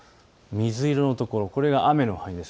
水色のところこれが雨の範囲です。